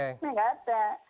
ini nggak ada